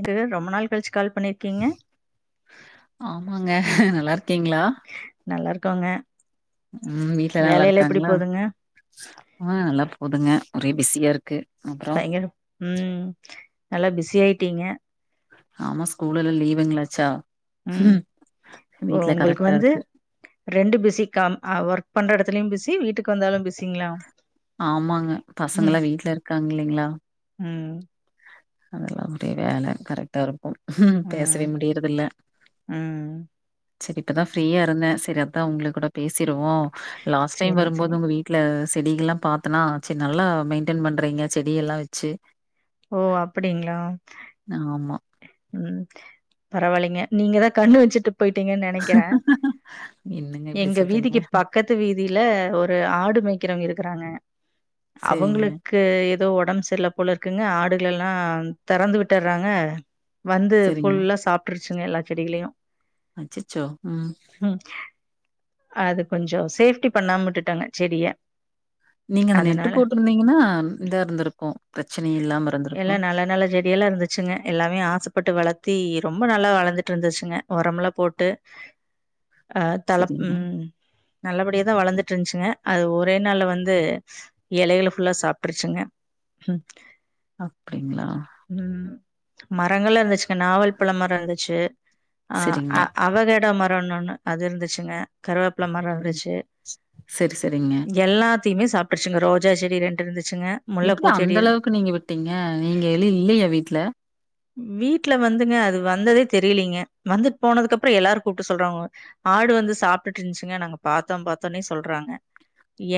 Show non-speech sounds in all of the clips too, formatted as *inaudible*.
இதுவே ரொம்ப நாள் கழிச்சு. கால் பண்ணியிருக்கீங்க. மாங்க நல்லாருக்கிங்ளா. நல்லாருக்கோங்க. ஹும் வீட்லயெல்லா நல்லாருக்காங்ளா போதுங்க ஆஹ் நல்லா போகுதுங்க. ஒரே ஃபிஸியாருக்கு. பயங்கர ம்ஹும். நல்லா ஃபிஸி ஆயிடீங்க. ஆமா ஸ்கூலெல்லா லீவுங்ளாச்சா ம் ஹும் ஓ, வீட்ல உங்களுக்கு கரெக்டா வந்து இருக்கு. ரெண்டு பிஸி காம் ஒர்க் பண்ற எடத்துலயூ பிஸி வீட்டுக்கு வந்தாலூ பிஸிங்ளா ஆமாங்க பசங்கலா வீட்ல இருக்காங்கில்லைங்ளா ம் அதெல்லா அப்டியே வேல கரெக்டாருக்கூ ம் பேசவே முடியிறதில்ல. ம் செரி இப்பதா ஃப்ரீயாருந்தே செரி அப்பதா உங்ளுகூட பேசி ருவோ லாஸ்ட் டைம் சேரிங்க வரும்போது சேரிங்க உங்க வீட்ல செடிகள்லா பாத்தன்னா செரி நல்லா மெயின்டென் பண்றிங்க செடி எல்லா வெச்சு ஓ அப்டிங்ளா ஆமா. ம் பரவால்லைங்க நீங்கதா கண்ணு வச்சுட்டுப் போய்ட்டீங்க நெனக்கிறே என்னங்க இப்படி எங்க சொல்றீங்க? வீதிக்கு பக்கத்து வீதில ஒரு ஆடு மேய்க்கிறவங்க இருக்கிறாங்க சரிங்க, அவுங்ளுக்கு எப் எதோ ஒடம்பு செர்ல போலருக்குங்க ஆடுகளெல்லா தெறந்து விட்டறாங்க வந்து சரிங்க. ஃபுல்லா சாப்ட்ர் ச்சுங்க எல்லா செடிகளையூ அச்சச்சோ ம் அது கொஞ்சோ சேஃப்டி பண்ணாம விட்டுட்டாங்க செடிய நீங்க அந்த நெட்டு அதனால போட்டிருந்தீங்கன்னா இதா இருந்திருக்கூ ப்ரச்சன இல்லாம இருந்திருக்கூ எல்லா பட்டு வளத்தி ரொம்ப நல்லா வளந்துட்ருந்துச்சுங்க ஒரம்லா போட்டு ஆ தலப் *inaudible* நல்லபடியேதா வளந்துட்ருந்துச்சுங்க அது ஒரே நாள்ல வந்து எலைகள ஃபுல்லா சாப்டுருச்சுங்க ம் அப்படிங்ளா மரங்கலா இருந்துச்சுங்க நாவல் பழ மரோ இருந்துச்சு ஆ சரிங்க. அ அவகேடா ம *unintelligible* ஒன்னு அது இருந்துச்சுங்க கருவேப்பில மரோ அப்படி இருந்துச்சு சரி, சரிங்க. எல்லாத் திமே சாப்டுச்சுங்க ரோஜா செடி ரெண்டு இருந்துச் எப்படி அந்த அளவுக்கு நீங்க விட்டீங்க நீங்க எலு இல்லையா வீட்ல வீட்ல வந்துங்க அது வந்ததே தெரீலீங்க வந்துட்டு போனதுக்கப்றோ எல்லாரூ கூப்டு சொல்றாங்க ஆடு வந்து சாப் ப்டுட்ருந்துச்சுங்க நாங்க பாத்தோ பாத்தோனே சொல்றாங்க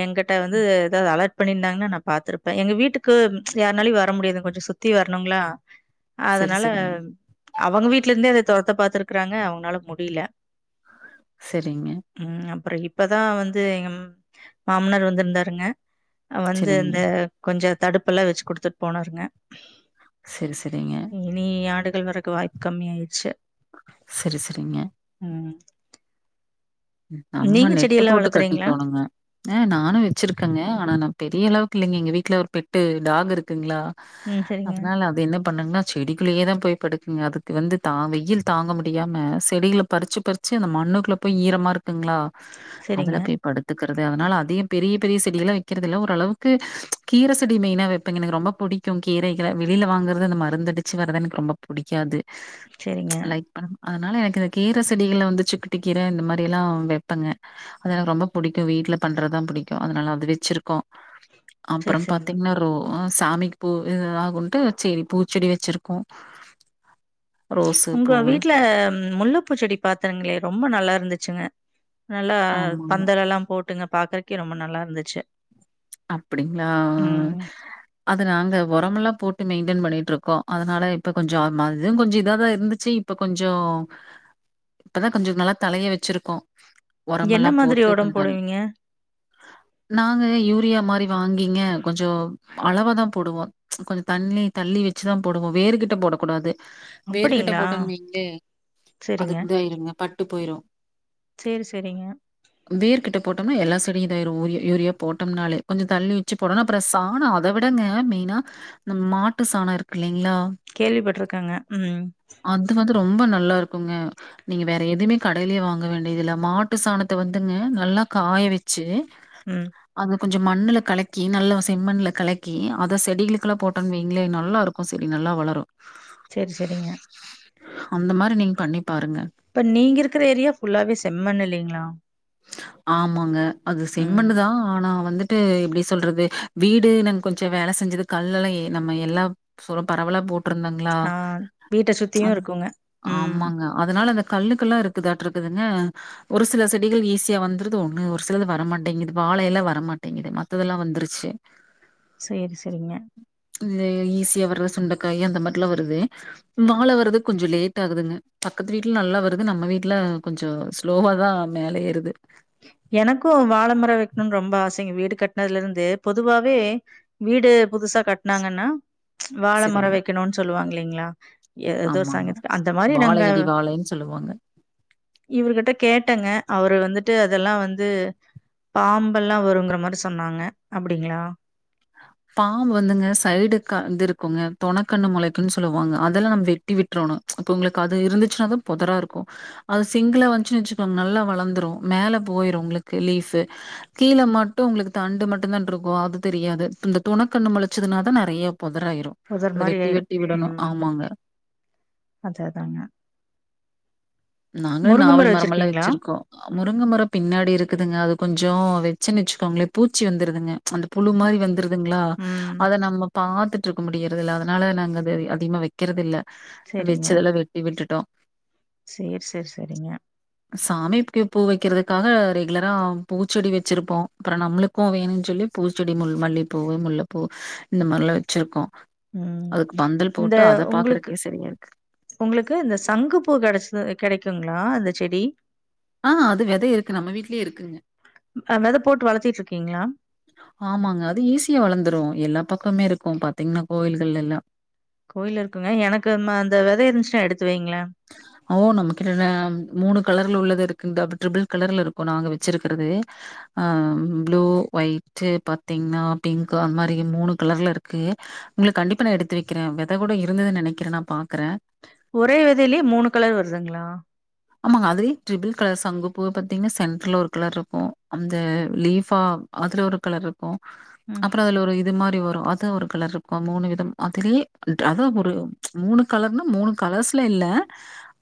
எங்கிட்ட வந்து ஏதாவ்து அலர்ட் பண்ணியிருந்தாங்கன்னா நா பாத்திருப்பே எங்க வீட்டுக்கு யாருனாலையூ வர முடியாது கொஞ்சோ சுத்தி வரணுங்களா சரி, அதனால சரிங்க. அவங்க வீட்லருந்தே அத தொரத்த பாத்துருக்கறாங்க அவங்ளால முடில சரிங்க உம் அப்புறோ இப்பதா வந்து எங்க மாமன்னார் வந்திருந்தாருங்க வந்து சரிங்க. அந்த கொஞ்சு தடுப்புெல்லா வெச்சு கொடுத்துட்டு போனாருங்க செரி செரிங்க இனி *unintelligible* வரக்கு வாய்ப்பு கம்மி ஆயிடுச்சு செரி செரிங்க உம் நம்ம நெட்டு போட்டு வளர்த்துறீங்களா? கட்டிக்கோணுங்க ஆ நானு வச்சிருக்கேங்க ஆனா நா பெரிய அளவுக்கு இல்லைங்க இங்க வீட்டுல ஒரு பெட்டு டாகு இருக்குங்களா ம் சரிங்க. அதனால அது என்ன பண்ணங்கன்னா செடிக்குள்ளேயே தா போய் படுக்க அதுக்கு வந்து தா வெயில் தாங்க முடியாம செடளை பறிச்சு பறிச்சு அந்த மண்ணுக்குள்ள போய் ஈரமா இருக்கு இருங்களா சரிங்க, அதுல போய் படுத்து கிறது அதனால அதியு பெரிய பெரிய செடிகளை வெக்கிறது இல்ல ஓரளவுக்கு அளவுக்கு கீர செடி மெயினா வெப்பேங்க எனக்கு ரொம்ப பிடிக்கு கீரைகளை வெளியில வாங்கறது அந்த மருந்த அடிச்சு வர்த எனக்கு ரொம்ப பிடிக்காது சரிங்க லைக் பண்ண அதனால எனக்கு இந்த கீர செடிகளை வந்து சிக்குட்டு கீர இந்த மாரி அப்பிடி எல்லா வெப்பங்க அது எனக்கு ரொம்ப புடிக்கு வீட்ல பண்றதுதா புடிக்கு அதனால அது வச்சிருக்கோ அப்பறோ சரி, சரிங்க. பாத்தீங்னா ரோ சாமிக்கு பூ இத ஆகுன்ட்டு சேரி பூச்செடி வச்சிருக்கோ உங்க வீட்ல முல்லப்பூச்செடி பாத்தங்களே ரொம்ப நல்லா இருக்கு இருந்துச்சுங்க நல்லா ஆமாங்க. பந்தல் எல்லா போட்டுங்க பாக்றக்கே ரொம்ப நல்லா இருந்துச்சு அப்டிங்களா ஆ ம். அது நாங்க ஒரமெல்லா போட்டு இப்ப மெயின்டென் பண்ணிட்டு இருக்கோ அதனால இப்ப கொஞ்சோ இது கொஞ்சோ இதா தா இருந்துச்சு இப்போ கொஞ்சு இப்பதா கொஞ்சோ நல்லா தலைய வச்சிருக்கோ என்ன ஒரமெல்லா மாதிரி போட்டு உரம் கொஞ்சு தண்ணி போடுவீங்க? நாங்க யூரி யுரியா மாரி வாங்கிங்க கொஞ்சோ அளவா தா போடுவோ கொஞ்சோ தண்ணி தள்ளி வச்சுதா போடுவோ வேறு கிட்ட போடக்கூடாது வேர்கட்ட அப்படிங்களா? போட்டோனு வெய்ங்களே அது சரிங்க. இத ஆயிருங்க பட்டு போயிரு சரி, சரிங்க. வேர்கிட்ட போட்டோம்னா எல்லா அப்டி இதாயிரு ஊரியா யூரியா போட் போட்டோம்னாலே கொஞ்சோ தள்ளி வச்சு போடனு அப்புறோ சாணோ அத விடங்க மெயினா அந்த மாட்டு சாணோ இருக்கு இல்லங் கேள்விபட்ருக்கங்க உம் அது வந்து ரொம்ப நல்லா இருக்குங்க நீங்க வேற எதுவுமே கடையிலே வாங்க வேண்டியது இல்ல மாட்டு சாணத்த வந்துங்க நல்லா காய வெச்சு உம் அத கொஞ்சோ மண்ணுல கலக்கி நல்லா செம்மண்ணுல கலக்கி அத செடிகளுக்கெல்லா போட்டோனு வெயிங்களே நல்லா இருக்கு செடி நல்லா வளரு சரி, சரிங்க. அந்த மாரி நீங்க பண்ணி பாருங்க இப்ப நீங்க இருக்குற ஏரியா புல்லாவே செம்மண்ணு இல்லைங் லா ஆமாங்க அது ம். செம்மண்ணுதா ஆனா வந்துட் ட்டு எப்டி சொல்றது வீடு நாங் கொஞ்சோ வேல செஞ்சது கல்லெல்லா எ நம்ம எல்லாப் சொ பரவலா போட் ட்ருந்தங்ளா ஆ வீட்ட சுத்தியும் ப்ச் இருக்குங்க. ம். ஆமாங்க அதனால அந்த கல்லுக்கல்லா இருக்குதாட்ரு க்குதுங்க ஒரு சில செட் டிகள் ஈஸியா வந்துறது ஒண்ணு ஒரு சிலது வரமாட்டேங்கிது வாழை எல்லா வரமாட்டேங்குது மத்ததெல்லா வந்துருச்சி சரி, சரிங்க. ந்த ஈஸியா வர்ற சுண்டக்காயி அந்த மாரிலா வருது வாழ வர்றதுக் கொஞ்சோ லேட் ஆகுதுங்க பக்கத்து வீட்ல நல்லா வருது நம்ம வீட்ல கொஞ்சோ ஸ்லோவா தா மேலயேறுது எனக்கு வாழமர வெக்கணுன் ரொம்ப ஆசைங்க வீடு கட்னதுல இருந்து பொதுவாவே வீடு புதுசா கட்னாங்கன்னா வாழ மரோ சரிங்க. வெக்கணுன் சொல்லுவாங் இல்லைங்ளா எதேதோ ஆமாங்க. சாங்கியத்துக்கு அந்த மாரி வாழை நாங்க இடி வாழைன்னு சொல்லுவாங்க. இவருகிட்ட கேட்டங்க அவரு வந்துட் ட்டு அதெல்லா வந்து பாம்பெல்லா வருங்கற மாரி சொன்னாங்க அப்டிங்ளா பாம்பு வந்துங்க சைடு க இது இருக்குங்க தொணக்கண்ணு மொளைக்குன்னு சொல்லுவாங்க அதுல்லா நம் வெட்டி விட்றோனு ப்ச் ப்ப உங்ளுக்கு அது இருந்துச்சுனாதா தா பொதராருக்கூ அது சிங்குலா வஞ்ச்சுன் வெச்சுக்கோங் நல்லா வளந்துரு மேல போயிரு உங்ளுக்கு லீஃபு கீழ மட்டு உங்ளுக்கு தண்டு மட்டு தான்ருக்கு அது தெரியாது ந்த துணக்கண்ணு மொளச்சதுனா தா நெறையப் பொதராயிரு புதர் அத மாரி வெட்டி ஆயிரும். வெட்டி விடணு ம். ஆமாங்க அதான் அதாங்க. நாங்ளு முருங்க நாவல் மரம் மரமெல்லா வச்சிருக்கீங்களா? வெச்சிருக்கோ முருங்க மரோ பின்னாடி இருக்குதுங்க அது கொஞ்சோ வெச்சன் வெச்சுக்கோங்ளே பூச்சி வந்துருதுங்க அந்த புழு மாரி ம். வந்துருதுங்ளா ம். அத நம்மப் பாத்துட்டு இருக்க முடியறதுல்ல அதனால நாங்க அது அதிகமா வெக்கிறது இல்ல வெச்சதெல்லா வெட்டி விட்டுட்டோ சேர் சேர் செரிங்க சாமிப்க்கு பூ வைக்கிறதுக்காக ரெகுலரா பூச்செடி வெச்சிருப்போ ப்புறோ நம்மளுக்கு வேணுன் சொல்லி பூச்செடி முல் மல்லிப்பூவு முல்லப்பூ இந்த மார்லா வெச்சிருக்கோ உம் இந்த உங்ளுக்கு பாக்குறதுக்கே சரியா இருக்கு. உங்ளுக்கு இந்த சங்கு பூ கெடைச்சது கெடைக்குங்ளா அந்த செடி ஆஹ் அது வெத இருக்கு நம்ம வீட்லியே இருக்குங்க அ வெத போட்டு வளத்திட்டு இருக்கீங்களா? ஆமாங்க அது ஈஸியா வளந்துரு எல்லா பக்கமே இருக்கு பாத்திங்ன்னா கோயில்கள்ல எல்லா கோயில்ல இருக்குங்க எனக்கு ம அந்த வெத இருஞ்ச்சுனா எடுத் ஓ நம்கிட்ட‌ நம் மூணு கலர்ல உள்ளது இருக்குங் டபு ட்ரிபிள் கலர்ல இருக்கு நாங்க வெச்சிருக்கிறது அஹ் ப்ளூ ஒய்ட் பாத்தீங்ன்னா பிங்க் அந் மாரி மூணு கலர்ல இருக்கு உங்ளுக் கண்டிப்பா நா எடுத்து வெக்கிறே வெத கூட இருந்துதுன் நெனைக்கிறே நா பாக்றே ஒரே வெதலியே மூணு கலர் வருதுங்ளா ஆமாங்க அதுவே ட்ரிபிள் கலர் சங்கு பூ பாத்தீங்ன்னா சென்ட்ர்ல ஒரு கலர் இருக்கு அந்த லீஃபா அதுல ஒரு கலர்ருக் கு ம் அப்புறோ அதுல ஒரு இ இது மாரி வரு அது ஒரு கலர்ருக்கு மூணு விதம் அதுலியே அத் அதா ஒரு மூணு ப்ச் கலர்னா மூணு கலர்ஸ் இல்லல்ல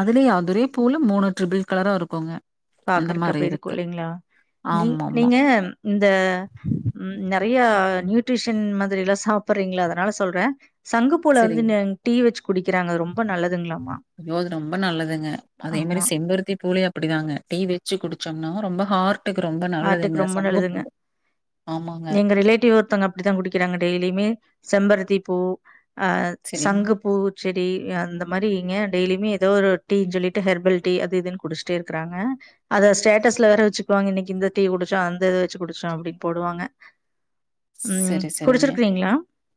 அதுலியே அதுரே பூல மூணு ட்ரிபிள் கலரா இருக்குங்க அந்த பாக்கறக்கு மாரி அப்டி இருக்கு இல்லைங்ளா நீ ஆமாமா. நீங்க இந்த நெறை ய நியூட்ரிஷியன் மாதிரி எல்லா சாப்படறிங்கள அதனால சொல்ற சங்குப்பூல வந்து சரிங்க. நங் டீ வச்சு குடிக்கிறாங்க ரொம் ஐயோ அது ரொம்ப நல்லதுங்க அதே மாரி ஆமா. செம்பருத்தி பூலயு அப்படிதாங்க டி வெச்சு குடிச்சோம்னா ரொம்ப ஹார்ட் ஹார்ட்டுக்கு ரொம்ப நல்லதுங்க ஆமாங்க. எங்க ரிலேட்டிவ் ஒருத்தவங்க அப்படித்தா குடிக்கிறாங்க டெய்லியுமே செம்பருத்தி பூ அ சரிங்க. சங்குப்பூ செடி அந்த மாரிங்க டெய்லியுமே ஏதோ ஒரு டீன் சொல்லிட்டு ஹெர்பல் டீ அது இதுன்னு குடிச்ட்டே இருக்கறாங்க அத ஸ்டேட்டஸ்ல வேற வெச்சுக்குவாங்க இன்னைக்கு இந்த டீ குடிச்சோ அந்த இது வெச்சு குடிச்சோ அப்டின் போடுவாங்க ம் சரி சரிங்க குடிச்சிருக்கிறீங்களா?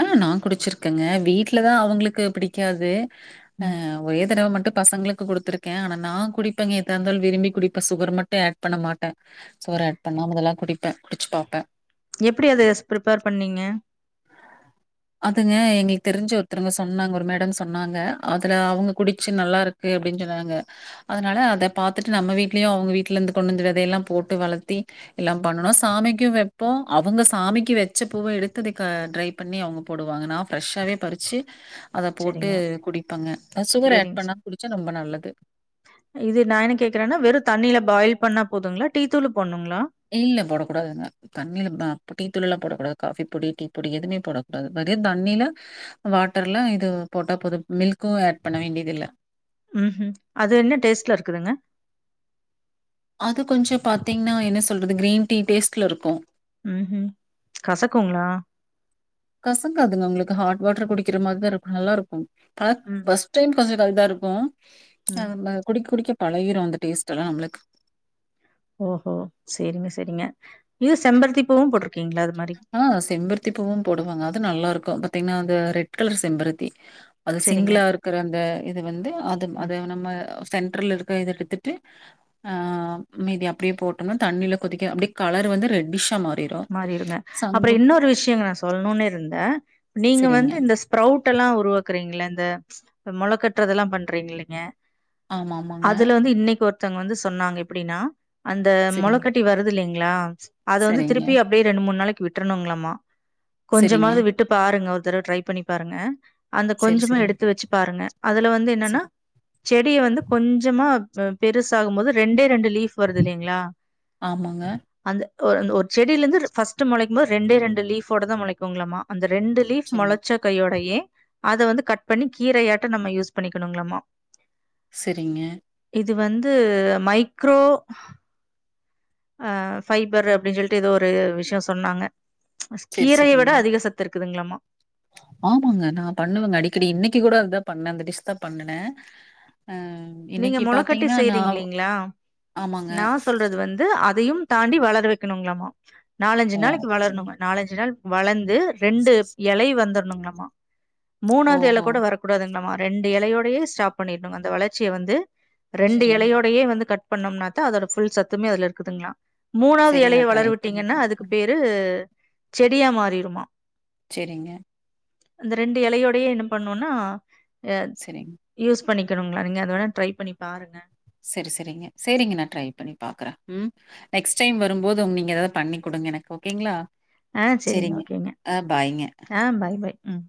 அ நா குடிச்சிருக்கங்க வீட்லதா அவங்களுக் கு பிடிக்காது ஆ ம் ஒரே தடவ மட் ட்டு பசங்களுக்கு குடுத்திருக்கேன் ஆனா நான் குடிப்பேன் எதா இருந்தாலும் விரும்பி குடிப்பேன் சுகர் மட்டும் ஏட் பண்ண மாட்டேன் சுகர் ஏட் பண்ணாம இதல்லாம் குடிப்பேன் குடிச்சு பாப்பேன் எப்பிடி அது பிரப்பேர் பண்ணீங்க அதுங்க எங்களுக்கு தெரிஞ்சு ஒருத்தருங்க சொன்னாங்க ஒரு மேடம் சொன்னாங்க அதுல அவுங்க குடிச்சு நல்லா இருக்கு அப்பிடின்னு சொன்னாங்க அதனால அத பாத்துட்டு நம்ம வீட்லயும் அவுங்க வீட்ல இருந்து கொண்டு வந்து வெதைய எல்லாம் போட்டு வளர்த்தி எல்லாம் பண்ணனும் சாமிக்கும் வைப்போம் அவுங்க சாமிக்கு வச்ச பூவ எடுத்ததுக்கு ட்ரை பண்ணி அவுங்க போடுவாங்க நா ஃபெர்ஷ்ஷாவே பறிச்சு அத போட்டு சரிங்க குடிப்பாங்க சுகர் ஆட் சரிங்க ச பண்ணாம குடிச்சா ரொம்ப நல்லது இது நான் என்ன கேக்குறேன்னா வெறும் தண்ணியில பாயில் பண்ணா போதுங்களா டீ தூள் போண்ணுங்களா இல்ல போடக்கூடாதுங்க தண்ணில ஆ டீ தூள் எல்லாம் போடக்கூடாது காஃபி பொடி டீ பொடி எதுவுமே போடக்கூடாது வெறு தண்ணில வாட்டர்ல இது போட்டா பொது மில்க்கும் ஆட் பண்ண வேண்டியதில்ல ம் ஹூம் அது என்ன டேஸ்ட்ல இருக்குதுங்க அது கொஞ்சம் பாத்தீங்கன்னா என்ன சொல்றது கிரீன் டீ டேஸ்ட்ல இருக்கோ ம் ஹூம் கசக்குங்களா கசங்காதுங்க உங்களுக்கு ஹாட் வாட்டர் குடிக்கிற மாதிரிதான் இருக்கும் நல்லா இருக்கோ ஆ ம் ஃபர்ஸ்ட் டைம் கொஞ்சம் க்ரௌட்டா இருக்கோ ம். ஆ நம்ப குடிக்க குடிக்க பழகிரும் அந்த டேஸ்ட் எல்லாம் நம்புளுக்கு ஓஹோ செரிங்க செரிங்க இது செம்பருத்திப்பூவும் போட்ருக்கீங்களா அதுக் ஆ செம்பருத்தி பூவும் போடுவங்க நல்லாருக்கு பத்தீங்ன்னா அந்த ரெட் கலர் செம்பருத்தி அது சரிங்க. சிங்குளா இருக்குற அந்த இது வந்து அதும் ம். அதேவ் நம்ம சென்ட்ருல் இரு வேக இத எடுத்துட்டு ஆ மீதி அப்பிடியே போட்டுன்னோ தண்ணில கொதிக்க அப்பிடியே கலரு வந்து ரெட்டிஸ்ஷா மாறு டீரோ அப்பற இன்னொரு விஷ்யங்க நா சொல்னுன் இருந்த நீங்க சரிங்க. வந்து இந்த ஸ்பரவுட் எல்லா உருவாக்குறீங்ளந் த மொள கட்றதெல்லா பண்றீங் இல்லிங்க ஆமாமாங்க. அதுல வந்து இன்னைக்கு ஒரு ஒருத்தவங்க வந்து சொன்னாங்க எப்புடின்னா அந்த சரிங்க, மொளக்கட்டி வருது இல்லைங்க ங்களா அத வந்து சரிங்க, திருப் ப்டியே ரெண்டு மூண் நாளைக்கி விற்றனும்ங்கலாமா சரிங்க. கொஞ்சமாவது விட்டு பாருங்க ஓ தரவ ட்ரை பண்ணி பாருங்க அந்த செரி கொஞ்சமா செரிங்க எடுத்து வச்சு பாருங்க அதுல வந்து என்னன்னா சரி செடிய வந்து கொஞ்சமா மேம் பெருசாகும் போது ரெண்டே ரெண்டு லீஃப் வருது இல்லைங்களா ஆமாங்க அந்த ஆஹ் எந்த ஒரு செடில இருந்து ஃபஸ்ட் முளைக்கும் போது ரெண்டே ரெண்டு லீஃபோட தா முளைக்கங்களாம அ ரெண்டு லீஃப் சரிங்க மொளச்ச கையோடையே அத வந்து கட் பண்ணி கீரையாட்ட நம்ம யூஸ் பண்ணிக்கணும்ங்களாமா செரிங்க இது வந்து மைக்ரோ அஹ் பைபர்ரு அப்டின்னு சொல்ட்டு ஏதோ ஒரு விஷ்ய சொன்னாங்க *unintelligible* சரி கீரைய சரிங்க விட அதிக சத்து இருக் இருக்குதுங்களாமா ஆமாங்க நா பண்ணுவேங்க அடிக்கடி இன்னைக்கு கூட அதுதா பண்ணேன் அந்த டிஸ்ட் தா பண்ணுனே நீங்க மொளக்கட்டி செய்யறீங்ளீங்களா ஆமாங்க நா சொல்றது வந்து அ தையும் தாண்டி வளர வைக்கணுங்களுமா நாலஞ்சு ஓ நாளைக்கு அப்டிங் வளரணுங்க நாலஞ்சு நாள் வளந் ரெண்டு எலை வந்தர் பண்ணுங்களாமா மூணாது எல ஓஹோ கூட வரக்கூடாதுங்களாமா ரெண்டு இலையோடயே ஸ்டாப் பண்ணிரனு அந்த வள ச்சிய வந்து ரெண்டு சரிங்க எலையோடையே வந்து கட் பண்ணோம்னாத்தா அதோட ஃபுல் சத்துமே அதுல இருக்குதுங்களா மூணாது சரி எலைய நான் ட்ரை பண்ணி வளரவிட்டீங்கன்னா அதுக்கு பாக்குறேன் பேரு செடியா மாறிருமா செரிங்க அந்த ரெண்டு எலையோடையே என்ன பண்ணோம்னா எ சரிங்க யூஸ் பண்ணிக்கணுங்ளா நிங்க துவேணா ட்ரை பண்ணி பாருங்க செரி செரிங்க சேரிங்க நா ட்ரை பண்ணி பாக்குறே ம் நெக்ஸ்ட் டைம் வரும்போது உ நீங்க ஏதாவது பண்ணி குடுங்க எனக்கு ஓகேங்ளா ஆஹ் செரிங் ஓகேங்க ஆஹ் பை பை ம்